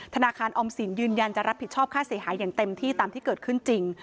ธนาคารออมสินยืนยันจะรับผิดชอบค่าเสียหายอย่างเต็มที่ตามที่เกิดขึ้นจริง